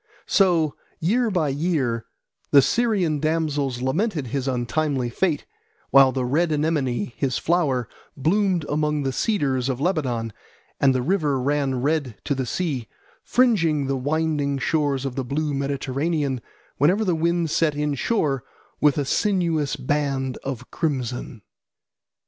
So year by year the Syrian damsels lamented his untimely fate, while the red anemone, his flower, bloomed among the cedars of Lebanon, and the river ran red to the sea, fringing the winding shores of the blue Mediterranean, whenever the wind set inshore, with a sinuous band of crimson.